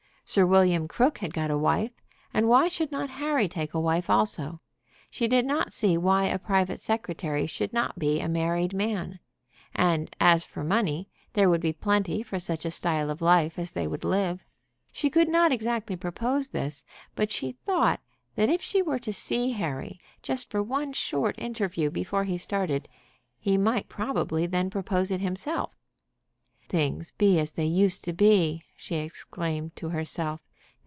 Sir William Crook had got a wife, and why should not Harry take a wife also? She did not see why a private secretary should not be a married man; and as for money, there would be plenty for such a style of life as they would live. She could not exactly propose this, but she thought that if she were to see Harry just for one short interview before he started, that he might probably then propose it himself. "Things be as they used to be!" she exclaimed to herself.